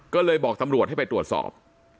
ก็เลยบอกตำรวจให้ไปตรวจสอบ